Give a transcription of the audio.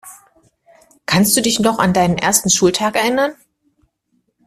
Kannst du dich noch an deinen ersten Schultag erinnern?